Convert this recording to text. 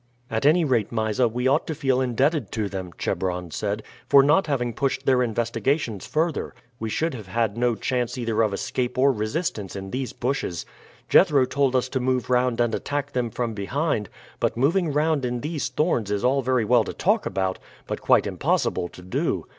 "At any rate, Mysa, we ought to feel indebted to them," Chebron said, "for not having pushed their investigations further. We should have had no chance either of escape or resistance in these bushes. Jethro told us to move round and attack them from behind; but moving round in these thorns is all very well to talk about, but quite impossible to do.